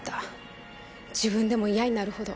自分でも嫌になるほど。